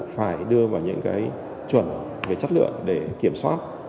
phải đưa vào những cái chuẩn về chất lượng để kiểm soát